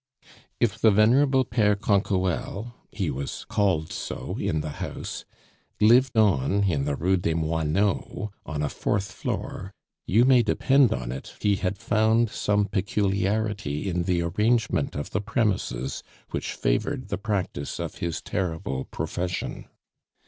If the venerable Pere Canquoelle he was called so in the house lived on in the Rue des Moineaux, on a fourth floor, you may depend on it he had found some peculiarity in the arrangement of the premises which favored the practice of his terrible profession.